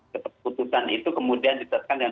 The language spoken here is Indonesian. keputusan itu kemudian ditetapkan dengan